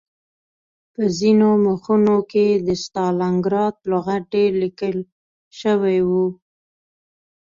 په ځینو مخونو کې د ستالنګراډ لغت ډېر لیکل شوی و